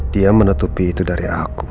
dia menutupi itu dari aku